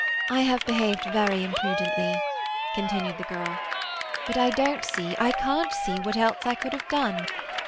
"I have behaved very imprudently," continued the girl. But I don't see—I can't see—what else I could have done.